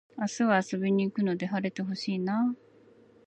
明日は遊びに行くので晴れて欲しいなあ